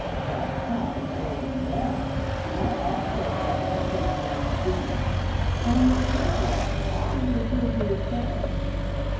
"But how they wept! I also wept to see them weep, and Marie wept to leave her dear Paris."